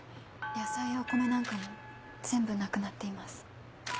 野菜やお米なんかも全部なくなっています。